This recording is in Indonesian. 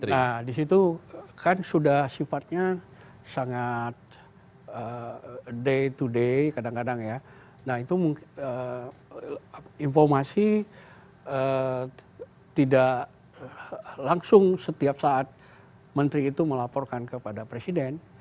nah disitu kan sudah sifatnya sangat day to day kadang kadang ya nah itu informasi tidak langsung setiap saat menteri itu melaporkan kepada presiden